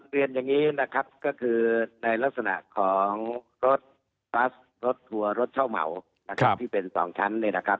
เรียนอย่างนี้นะครับก็คือในลักษณะของรถบัสรถทัวร์รถเช่าเหมาที่เป็น๒ชั้น